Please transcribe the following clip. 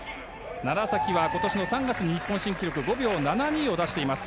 楢崎は今年の３月に日本新記録５秒７２を出しています。